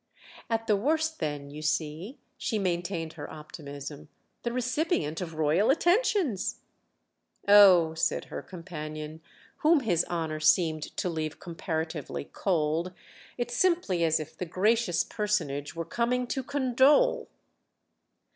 "At the worst then, you see"—she maintained her optimism—"the recipient of royal attentions!" "Oh," said her companion, whom his honour seemed to leave comparatively cold, "it's simply as if the gracious Personage were coming to condole!"